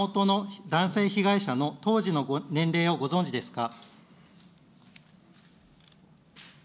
熊本の男性被害者の当時の年齢をご存じですか。